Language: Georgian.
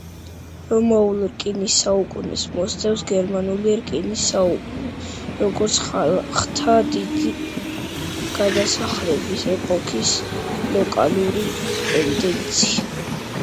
რომაულ რკინის საუკუნეს მოსდევს გერმანული რკინის საუკუნე როგორც ხალხთა დიდი გადასახლების ეპოქის ლოკალური ტენდენცია.